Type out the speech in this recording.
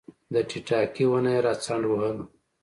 د ټیټاقې ونه یې راڅنډ وهله